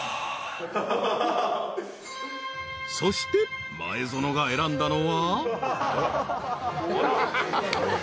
［そして前園が選んだのは］